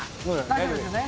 大丈夫ですよね？